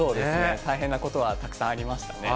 大変なことはたくさんありましたね。